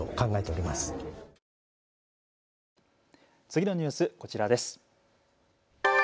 次のニュース、こちらです。